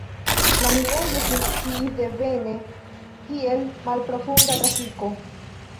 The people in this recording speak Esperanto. La minejo funkciis devene kiel malprofunda trafiko.